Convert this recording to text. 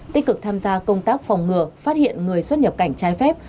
tích cực tham gia công tác phòng ngừa phát hiện người xuất nhập cảnh trái phép